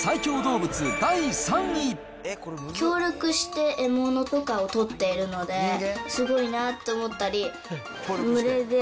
協力して獲物とかを取っているので、すごいなと思ったり。